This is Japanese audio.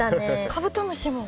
カブトムシも。